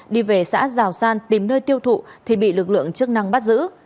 đi về xã giào san tìm nơi tiêu thụ thì bị lực lượng chức năng bắt giữ